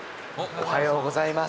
おはようございます。